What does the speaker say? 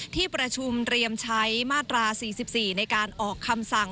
ที่ประชุมเตรียมใช้มาตรา๔๔ในการออกคำสั่ง